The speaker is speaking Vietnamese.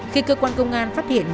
khi cơ quan công an phát hiện